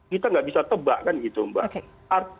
kita nggak bisa tebak kan gitu mbak